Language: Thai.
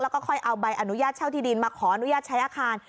แล้วก็ค่อยเอาใบอนุญาตเช่าที่ดินมาขออนุญาตใช้อาคาร